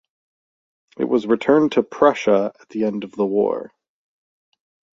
It was returned to Prussia at the end of the war.